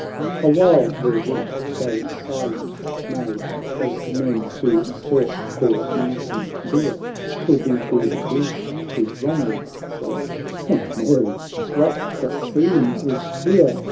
XIII A while their route they silent made, As men who stalk for mountain deer, Till the good Bruce to Ronald said, " St. Mary ! what a scene is here